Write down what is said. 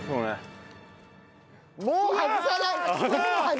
もう外さない！